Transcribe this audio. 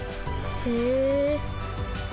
へえ。